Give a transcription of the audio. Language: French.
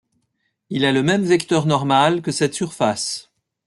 Il a le même vecteur normal que cette surface.